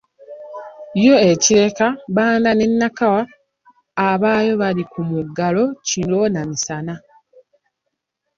Yo e Kireka, Bbanda ne Nakawa, abaayo bali ku muggalo kiro na misana,